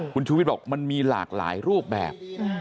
คุณชูวิทย์บอกมันมีหลากหลายรูปแบบ